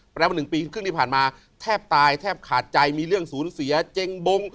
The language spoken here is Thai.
แปลว่า๑ปีครึ่งที่ผ่านมาแทบตายแทบขาดใจมีเรื่องศูนย์เสียเจ๊งบง